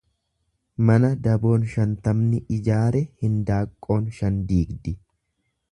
Mana daboon shantamni ijaare hindaaqqoon shan diigdi.